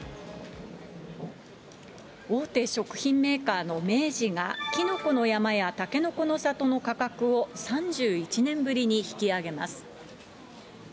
大手食品メーカーの明治が、きのこの山やたけのこの里の価格を３１年ぶりに引き上げます。